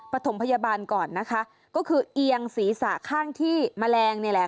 ปฐมพยาบาลก่อนนะคะก็คือเอียงศีรษะข้างที่แมลงเนี่ยแหละ